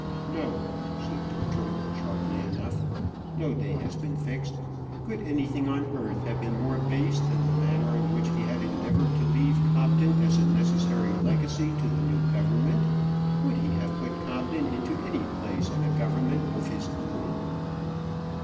"No," said Bertram, sharply enough. "No day has been fixed. Could anything on earth have been more base than the manner in which he has endeavoured to leave Cobden as a necessary legacy to the new government? Would he have put Cobden into any place in a government of his own?"